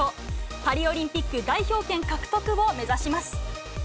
パリオリンピック代表権獲得を目指します。